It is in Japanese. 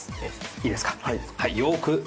いいですか？